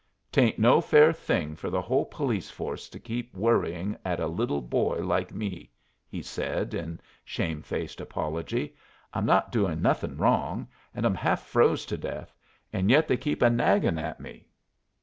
"Tain't no fair thing for the whole police force to keep worrying at a little boy like me," he said, in shame faced apology. "I'm not doing nothing wrong, and I'm half froze to death, and yet they keep a nagging at me."